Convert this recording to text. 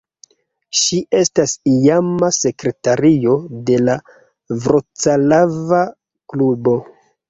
Ŝi estas iama sekretario de la Vroclava klubo.